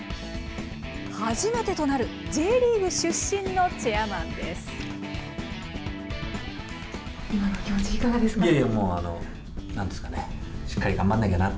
初めてとなるＪリーグ出身のチェアマンです。